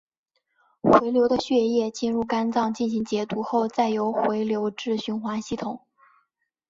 回流的血液进入肝脏进行解毒后再由回流至循环系统。